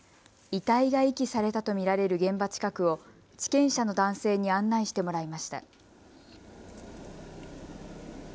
遺体が遺棄されたと見られる現場近くを地権者の男性に案内してもらいました。